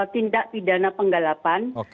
tindak pidana penggelapan